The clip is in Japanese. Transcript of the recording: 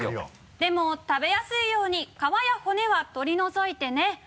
「でも食べやすいように皮や骨は取り除いてね」